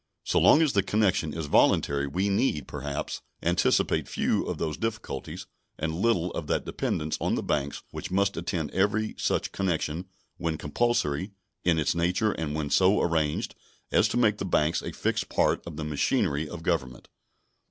So long as the connection is voluntary we need, perhaps, anticipate few of those difficulties and little of that dependence on the banks which must attend every such connection when compulsory in its nature and when so arranged as to make the banks a fixed part of the machinery of government.